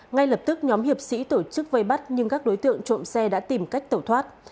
ngay lập tức nhóm hiệp sĩ tổ chức vây bắt nhưng các đối tượng trộm xe đã tìm cách tẩu thoát